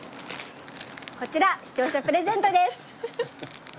こちら視聴者プレゼントです。